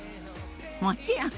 もちろん！